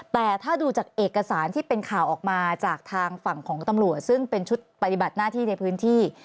แต่ถ้าดูจากเอกสารที่เป็นข่าวออกมาจากทางฝั่งของตำรวจซึ่งเป็นชุดปฏิบัติหน้าที่ในพื้นที่